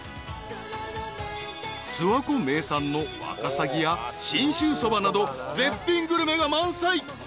［諏訪湖名産のワカサギや信州そばなど絶品グルメが満載］